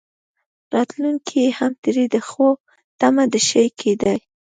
راتلونکي کې هم ترې د ښو تمه نه شي کېدای.